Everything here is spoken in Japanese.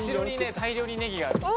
大量にネギがあるんです。